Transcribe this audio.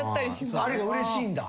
あれがうれしいんだ？